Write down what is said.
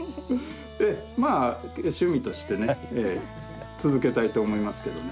ええまあ趣味としてねええ続けたいと思いますけどね。